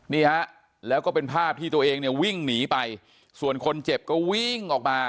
นี่ฮะแล้วก็เป็นภาพที่ตัวเองเนี่ยวิ่งหนีไปส่วนคนเจ็บก็วิ่งออกมา